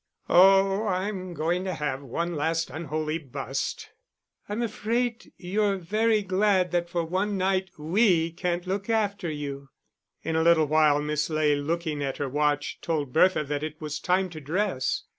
"Oh, I'm going to have one last unholy bust." "I'm afraid you're very glad that for one night we can't look after you." In a little while Miss Ley, looking at her watch, told Bertha that it was time to dress.